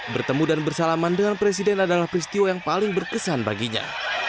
bertemu dan bersalaman dengan presiden adalah peristiwa yang paling berkesan baginya